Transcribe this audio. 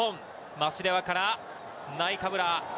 マシレワからナイカブラ。